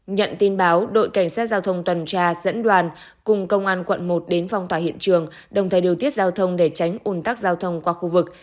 nhận tin báo đội cảnh sát giao thông tuần tra dẫn đoàn cùng công an quận một đến phong tỏa hiện trường đồng thời điều tiết giao thông để tránh ủn tắc giao thông qua khu vực